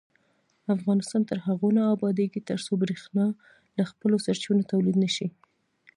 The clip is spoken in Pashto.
افغانستان تر هغو نه ابادیږي، ترڅو بریښنا له خپلو سرچینو تولید نشي.